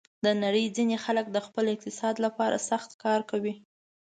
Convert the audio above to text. د نړۍ ځینې خلک د خپل اقتصاد لپاره سخت کار کوي.